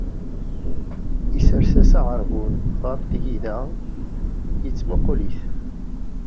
Isers-as-d aɛerbun ɣef tgida, yettmuqul-it.